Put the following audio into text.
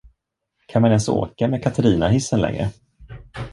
Kan man ens åka med Katarinahissen längre?